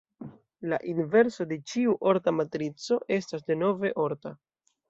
La inverso de ĉiu orta matrico estas denove orta.